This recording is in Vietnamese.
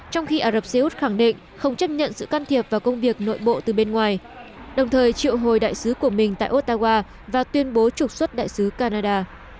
trong khi ả rập xê út khẳng định không chấp nhận sự can thiệp vào công việc nội bộ từ bên ngoài đồng thời triệu hồi đại sứ của mình tại ottawa và tuyên bố trục xuất đại sứ canada